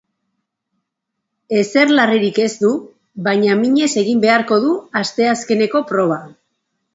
Ezer larririk ez du, baina minez egin beharko du asteazkeneko proba.